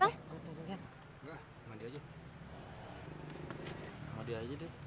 bang mojek ya